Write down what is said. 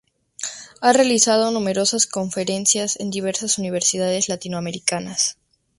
Ha realizado numerosas conferencias en diversas universidades latinoamericanas.